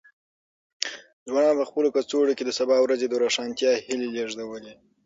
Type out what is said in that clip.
ځوانانو په خپلو کڅوړو کې د سبا ورځې د روښانتیا هیلې لېږدولې.